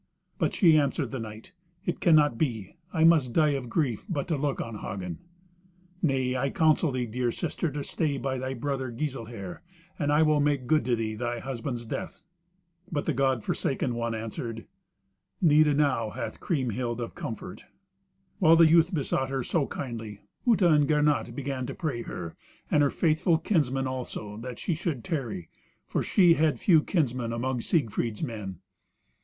But she answered the knight, "It cannot be; I must die of grief but to look on Hagen." "Nay, I counsel thee, dear sister, to stay by thy brother Giselher; and I will make good to thee thy husband's death." But the God forsaken one answered, "Need enow hath Kriemhild of comfort." While the youth besought her so kindly, Uta and Gernot began to pray her, and her faithful kinsmen also, that she should tarry, for she had few kinsmen among Siegfried's men.